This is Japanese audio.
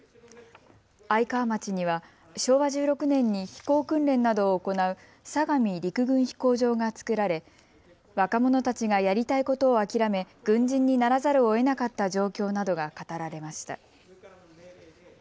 愛川町には昭和１６年に飛行訓練などを行う相模陸軍飛行場が造られ若者たちがやりたいことを諦め軍人にならざるをえなかった状況などが語られました。